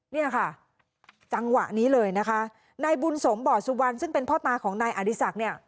เนี่ยค่ะจังหวะนี้เลยนะคะนายบุญสมบ่อสุวรรณซึ่งเป็นพ่อตาของนายอดีศักดิ์เนี่ย